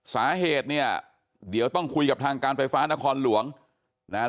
สาเหตุเนี่ยเดี๋ยวต้องคุยกับทางการไฟฟ้านครหลวงนะฮะ